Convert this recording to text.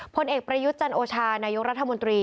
ผลเอกประยุทธ์จันโอชานายกรัฐมนตรี